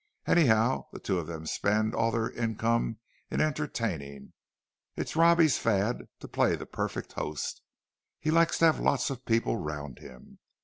Anyhow, the two of them spend all their income in entertaining. It's Robbie's fad to play the perfect host—he likes to have lots of people round him.